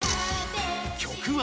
［曲は］